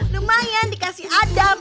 lumayan dikasih adam